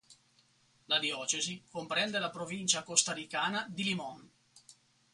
La diocesi comprende la provincia costaricana di Limón.